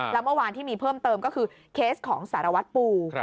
แล้วเมื่อวานที่มีเพิ่มเติมก็คือเคสของสารวัตรปู